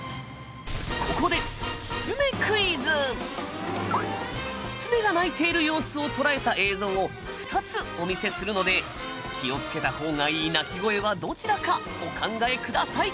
ここでキツネが鳴いている様子を捉えた映像を２つお見せするので気をつけた方がいい鳴き声はどちらかお考えください。